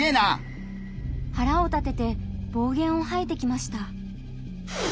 はらを立てて暴言をはいてきました。